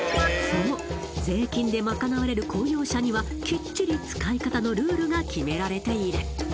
そう税金でまかなわれる公用車にはきっちり使い方のルールが決められている